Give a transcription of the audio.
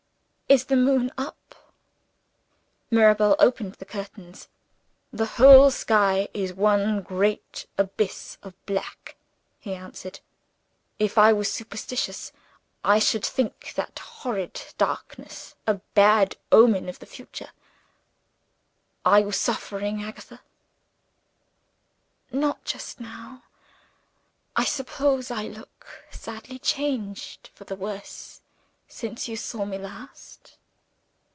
Is the moon up?" Mirabel opened the curtains. "The whole sky is one great abyss of black," he answered. "If I was superstitious, I should think that horrid darkness a bad omen for the future. Are you suffering, Agatha?" "Not just now. I suppose I look sadly changed for the worse since you saw me last?"